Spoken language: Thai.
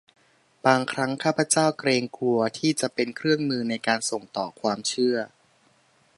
บางครั้งข้าพเจ้าเกรงกลัวที่จะเป็นเครื่องมือในการส่งต่อความเชื่อ